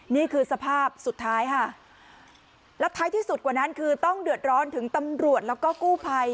นี่คือสภาพสุดท้ายค่ะแล้วท้ายที่สุดกว่านั้นคือต้องเดือดร้อนถึงตำรวจแล้วก็กู้ภัย